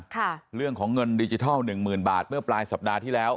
ค่ะเรื่องของเงินดิจิทัลหนึ่งหมื่นบาทเมื่อปลายสัปดาห์ที่แล้ว